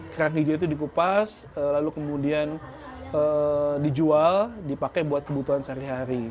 kerang hijau itu dikupas lalu kemudian dijual dipakai buat kebutuhan sehari hari